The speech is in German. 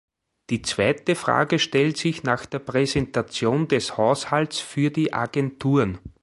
Die zweite Frage stellt sich nach der Präsentation des Haushalts für die Agenturen.